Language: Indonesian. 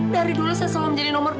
dari dulu saya selalu menjadi nomor dua